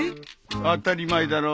当たり前だろ。